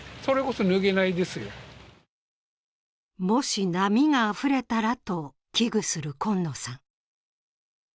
もし波があふれたらと危惧する今野さん。